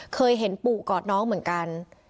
เคยเห็นปู่กอดน้องเหมือนกัน